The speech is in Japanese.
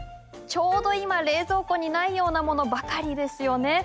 ちょうど今冷蔵庫にないようなものばかりですよね。